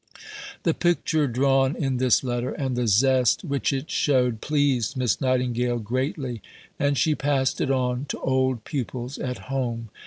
The picture drawn in this letter, and the zest which it showed, pleased Miss Nightingale greatly, and she passed it on to old pupils at home.